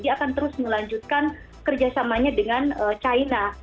dia akan terus melanjutkan kerjasamanya dengan china